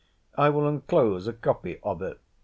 I will enclose a copy of it.